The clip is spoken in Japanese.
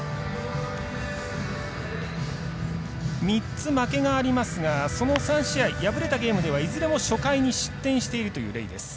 ３つ負けがありますがその３試合、敗れたゲームではいずれも初回に失点しているというレイです。